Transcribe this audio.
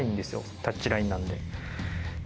タッチラインなんで。